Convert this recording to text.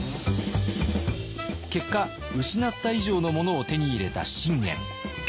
結果失った以上のものを手に入れた信玄。